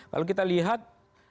kalau kita lihat